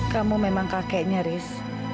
kamu memang kakeknya ris